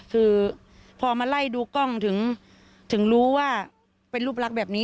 คือพอมาไล่ดูกล้องถึงรู้ว่าเป็นรูปลักษณ์แบบนี้